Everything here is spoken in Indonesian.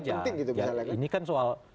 yang penting gitu ini kan soal